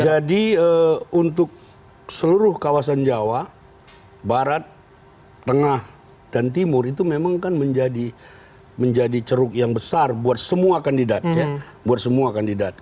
jadi untuk seluruh kawasan jawa barat tengah dan timur itu memang kan menjadi ceruk yang besar buat semua kandidat